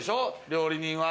料理人は。